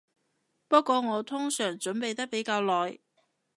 不過我通常準備得比較耐